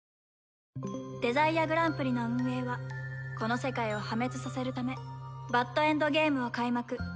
デザイアグランプリの運営はこの世界を破滅させるためバッドエンドゲームを開幕